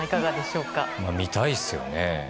見たいですよね。